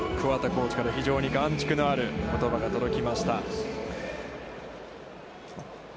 コーチから非常に含蓄のある言葉が届きました。